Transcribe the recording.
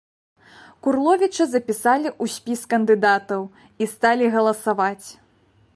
Курловіча запісалі ў спіс кандыдатаў і сталі галасаваць.